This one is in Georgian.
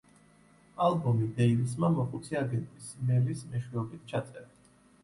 ალბომი დეივისმა მოხუცი აგენტის, მელის მეშვეობით ჩაწერა.